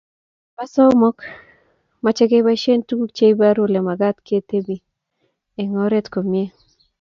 nebo somok, meche keboishen tuguk cheibaru olemagat ketebi eng oret komnyei